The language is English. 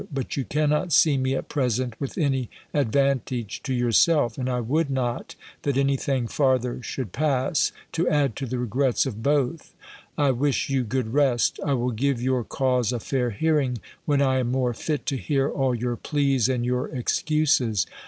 But you cannot see me at present with any advantage to yourself; and I would not, that any thing farther should pass, to add to the regrets of both. I wish you good rest. I will give your cause a fair hearing, when I am more fit to hear all your pleas, and your excuses.